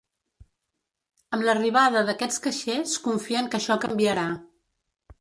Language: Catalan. Amb l’arribada d’aquests caixers confien que això canviarà.